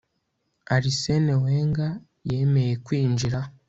Arsene Wenga yemeye kwinjira